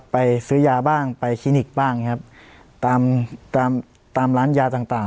ไปซื้อยาบ้างไปคลินิกบ้างครับตามตามร้านยาต่างต่าง